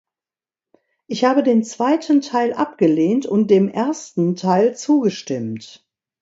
Ich habe den zweiten Teil abgelehnt und dem ersten Teil zugestimmt.